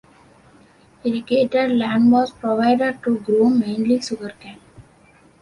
Irrigated land was provided to grow mainly sugar cane.